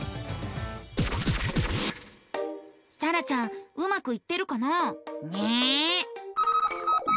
さらちゃんうまくいってるかな？ね。